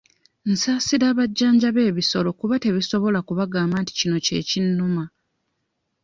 Nsaasira abajjanjaba ebisolo kuba tebisobola kubagamba nti kino kye kinnuma.